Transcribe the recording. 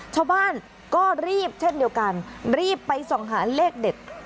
ชาวบ้านก็รีบเช่นเดียวกันรีบไปส่องหาเลขเด็ด